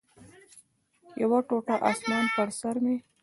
یو ټوټه اسمان پر سر مې